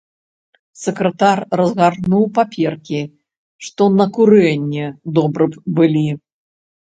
Сакратар разгарнуў паперкі, што на курэнне добры б былі.